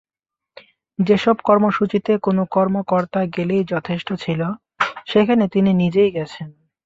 যেসব কর্মসূচিতে কোনো কর্মকর্তা গেলেই যথেষ্ট ছিল, সেখানে তিনি নিজেই গেছেন।